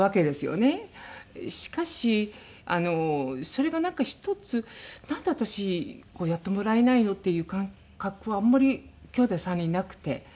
しかしそれがなんか一つなんで私やってもらえないの？っていう感覚はあんまりきょうだい３人なくて。